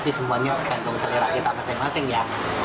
tapi semuanya tergantung selera kita masing masing ya